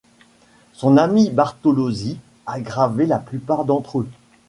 Son ami Bartolozzi a gravé la plupart d'entre eux.